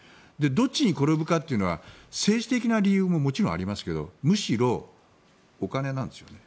どっちに転ぶかというのは政治的な理由ももちろんありますけどむしろお金なんですよね。